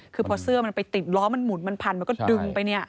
คือพอเสื้อมันไปติดล้อมันหมุนมันพันมันก็ดึงไปเนี่ย